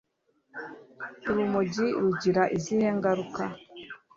Urumogi rugira izihe ngaruka